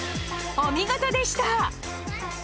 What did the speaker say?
お見事でした！